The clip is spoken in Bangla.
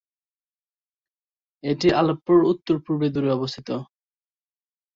এটি আলেপ্পোর উত্তর-পূর্বে দূরে অবস্থিত।